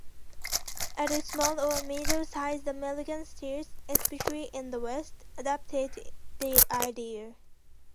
Other small or middle sized American cities, especially in the West, adopted the idea.